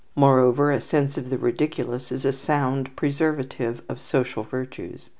Moreover, a sense of the ridiculous is a sound preservative of social virtues.